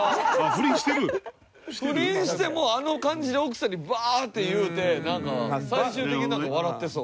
不倫してもうあの感じで奥さんにバーッて言うてなんか最終的になんか笑ってそう。